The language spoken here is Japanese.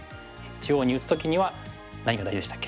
中央に打つ時には何が大事でしたっけ？